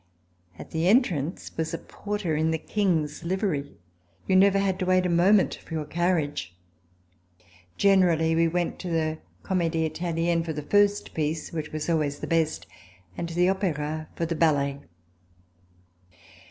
At the entrance was a porter in the King's livery. You never had to wait a moment for your carriage. Generally we went to the Comedie Italienne for the first piece, which was always the best, and to the Opera for the ballet.